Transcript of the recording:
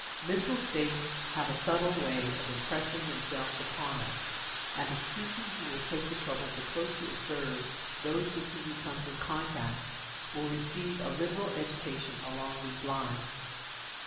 Mental states have a subtle way of impressing themselves upon us, and the student who will take the trouble to closely observe those with whom he comes in contact will receive a liberal education along these lines.